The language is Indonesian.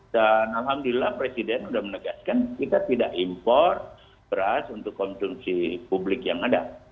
dan alhamdulillah presiden sudah menegaskan kita tidak impor beras untuk konsumsi publik yang ada